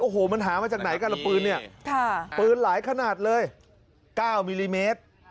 โอ้โหมันหามาจากไหนกันละปืนเนี่ยปืนหลายขนาดเลย๙มิลลิเมตร